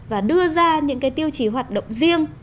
và đưa ra những cái tiêu chí hoạt động riêng